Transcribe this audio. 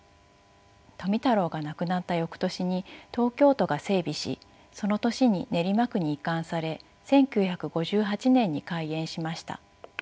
富太郎が亡くなったよくとしに東京都が整備しその年に練馬区に移管され１９５８年に開園しました。